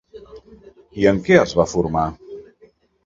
I en què es va formar?